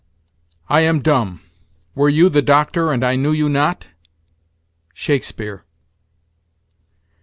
"I am dumb. Were you the doctor, and I knew you not?" Shakespeare.